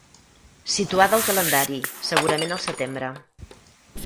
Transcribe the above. Situada al calendari, segurament al setembre.